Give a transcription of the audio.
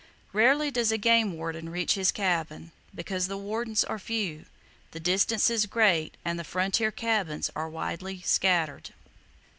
Rarely does a game warden reach his cabin; because the wardens are few, the distances great and the frontier cabins are widely scattered.